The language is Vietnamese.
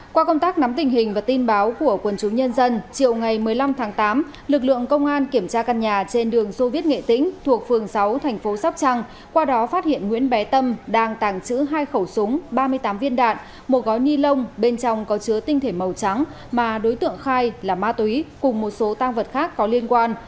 qua công tác nắm tình hình và tin báo của quân chú nhân dân chiều ngày một mươi năm tháng tám lực lượng công an kiểm tra căn nhà trên đường dô viết nghệ tĩnh thuộc phường sáu thành phố sóc trăng qua đó phát hiện nguyễn bé tâm đang tàng trữ hai khẩu súng ba mươi tám viên đạn một gói ni lông bên trong có chứa tinh thể màu trắng mà đối tượng khai là ma túy cùng một số tăng vật khác có liên quan